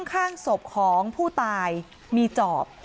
ข้างศพของผู้ตายมีจอบ